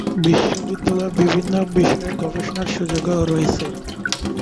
বিশ্ববিদ্যালয়ে বিভিন্ন বিষয় গবেষণার সুযোগও রয়েছে।